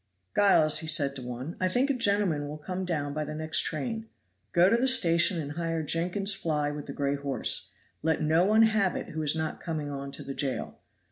"Giles," said he to one, "I think a gentleman will come down by the next train. Go to the station and hire Jenkyns's fly with the gray horse. Let no one have it who is not coming on to the jail.